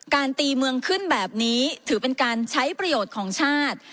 ตีเมืองขึ้นแบบนี้ถือเป็นการใช้ประโยชน์ของชาติ